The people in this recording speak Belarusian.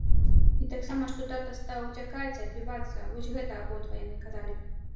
І таксама, што тата стаў уцякаць, адбівацца, вось гэта абодва яны казалі.